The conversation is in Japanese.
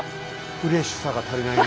フレッシュさが足りないねえ。